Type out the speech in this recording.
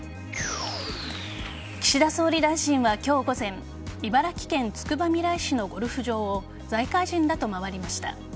岸田総理大臣は今日午前茨城県つくばみらい市のゴルフ場を財界人らと回りました。